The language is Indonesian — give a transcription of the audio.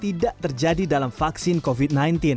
tidak terjadi dalam vaksin covid sembilan belas